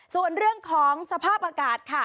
ส่วนเรื่องของสภาพอากาศค่ะ